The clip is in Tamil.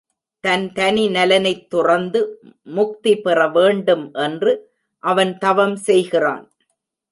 தன் தனி நலனைத் துறந்து முக்தி பெறவேண்டும் என்று அவன் தவம் செய்கிறான்.